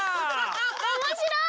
おもしろい！